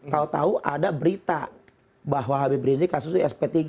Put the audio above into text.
kalau tahu ada berita bahwa habib rizik kasusnya sp tiga